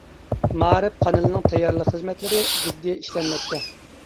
مائارىپ قانىلىنىڭ تەييارلىق خىزمەتلىرى جىددىي ئىشلەنمەكتە.